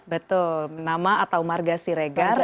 betul nama atau marga siregar